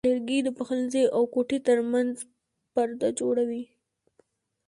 لرګی د پخلنځي او کوټې ترمنځ پرده جوړوي.